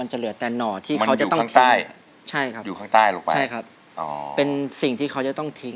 เหลือแต่หน่อที่เขาจะต้องทิ้ง